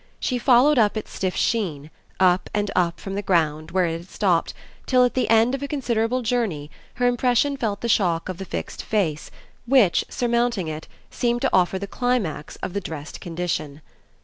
She followed up its stiff sheen up and up from the ground, where it had stopped till at the end of a considerable journey her impression felt the shock of the fixed face which, surmounting it, seemed to offer the climax of the dressed condition.